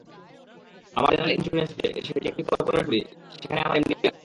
আমার general insurance আছে, সেটি একটি করপোরেট বডি, সেখানে আমার এমডি আছে।